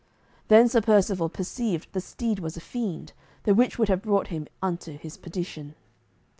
Then Sir Percivale perceived the steed was a fiend, the which would have brought him unto his perdition.